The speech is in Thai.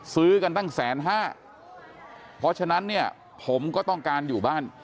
ซื้อกันตั้งแสนห้าเพราะฉะนั้นเนี่ยผมก็ต้องการอยู่บ้าน